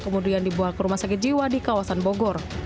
kemudian dibawa ke rumah sakit jiwa di kawasan bogor